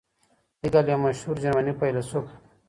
هیګل یو مشهور جرمني فیلسوف و.